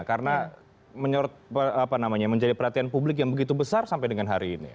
karena menjadi perhatian publik yang begitu besar sampai dengan hari ini